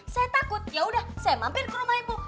saya takut yaudah saya mampir ke rumah ibu